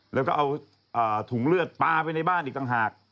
แล้วก็เอาถุงเลือดปลาไปในบ้านอีกต่างหาก